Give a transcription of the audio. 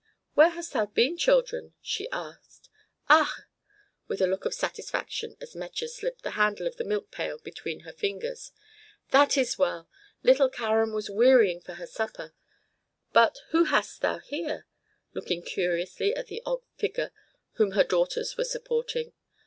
"Where hast thou been, children?" she asked. "Ach!" with a look of satisfaction as Metje slipped the handle of the milk pail between her fingers. "That is well! Little Karen was wearying for her supper. But who hast thou here?" looking curiously at the odd figure whom her daughters were supporting.